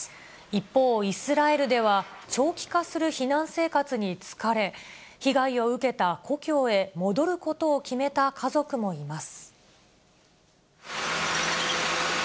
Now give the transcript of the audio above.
一方、イスラエルでは長期化する避難生活に疲れ、被害を受けた故郷へ戻ることを決めた家族もいます。